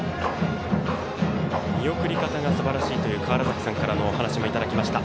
見送り方がすばらしいという川原崎さんからのお話もいただきました。